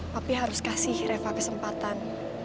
tapi harus kasih reva kesempatan